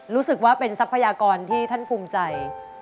รู้สึกว่าเป็นทรัพยากรที่ท่านภูมิใจ